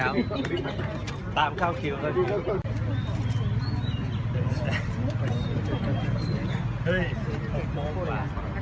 มาบ้านล่ะค่ะ